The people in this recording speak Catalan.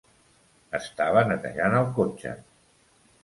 Estava netejant el cotxe.